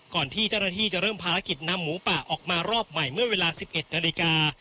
ก่อนที่เจ้าหน้าที่จะเริ่มภารกิจนำหมูป่าออกมารอบใหม่เมื่อเวลา๑๑นาฬิกา